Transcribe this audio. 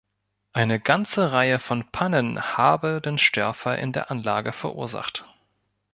Eine ganze Reihe von Pannen habe den Störfall in der Anlage verursacht.